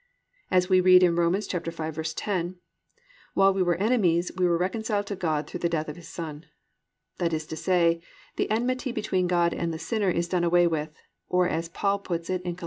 As we read in Rom. 5:10, +"While we were enemies, we were reconciled to God through the death of His Son."+ That is to say, the enmity between God and the sinner is done away with, or, as Paul puts it in Col.